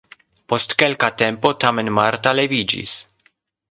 Post kelka tempo tamen Marta leviĝis.